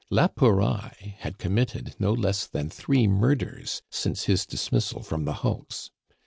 La Pouraille had committed no less than three murders since his dismissal from the hulks.